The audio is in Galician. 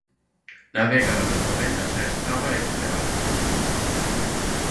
Na década dos noventa xa estaba ese debate.